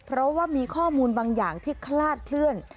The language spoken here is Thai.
เพราะว่ามีข้อมูลบางอย่างที่คลาดเคลื่อน